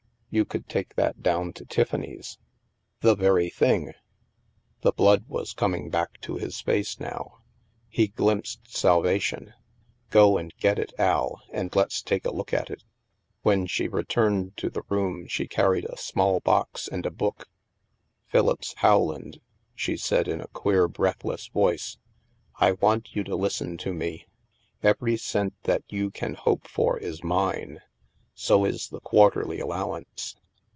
You could take that down to Tiffany's." " The very thing !" The blood was coming back to his face now. He glimpsed salvation. " Gro and get it, Al, and let's take a look at it." When she returned to the room, she carried a small box and a book. " Philippse Rowland," she said, in a queer breath less voice, " I want you to listen to me. Every cent that you can hope for is mine. So is the quarterly allowance.